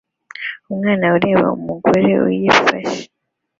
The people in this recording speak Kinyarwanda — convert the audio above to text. Umwana ureba umugore uyifashe